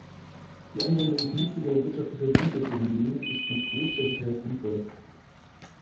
Die Anwendung vernünftiger wirtschaftlicher Grundsätze hingegen ist mit größter Sicherheit sinnvoll.